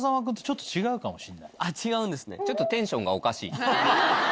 違うんですね？